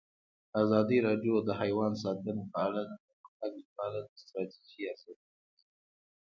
ازادي راډیو د حیوان ساتنه په اړه د پرمختګ لپاره د ستراتیژۍ ارزونه کړې.